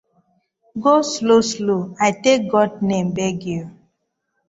Go slow slow I tak God name beg yu.